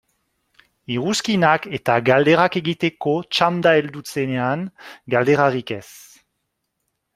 Iruzkinak eta galderak egiteko txanda heldu zenean, galderarik ez.